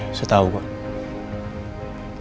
ya saya tau kok